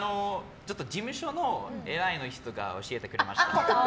事務所の偉い人が教えてくれました。